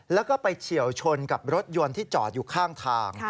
แล้วก็ไปเฉียวชนกับรถยนต์ที่จอดอยู่ข้างทาง